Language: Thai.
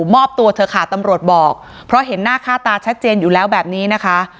มอบตัวเถอะค่ะตำรวจบอกเพราะเห็นหน้าค่าตาชัดเจนอยู่แล้วแบบนี้นะคะ